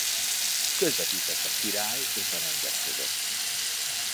Közvetített a király és a rendek között.